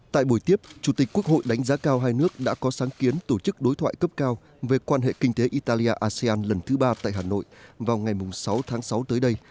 tại buổi tiếp chủ tịch quốc hội đánh giá cao hai nước đã có sáng kiến tổ chức đối thoại cấp cao về quan hệ kinh tế italia asean lần thứ ba tại hà nội vào ngày sáu tháng sáu tới đây